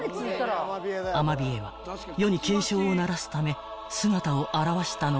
［アマビエは世に警鐘を鳴らすため姿を現したのかもしれない］